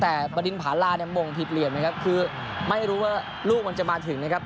แต่บดินผาลาเนี่ยมงผิดเหลี่ยมนะครับคือไม่รู้ว่าลูกมันจะมาถึงนะครับ